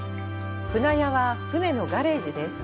舟屋は船のガレージです。